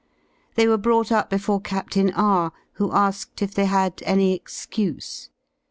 They were brought up before Captain R , who asked if they had any excuse.